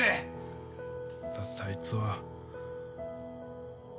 だってあいつは。